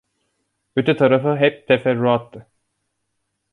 Öte tarafı hep teferruattı.